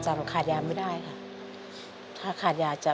ทำอะไรก็ไม่ประสบผลสำเร็จ